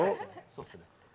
そうっすね